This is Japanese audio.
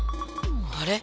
あれ？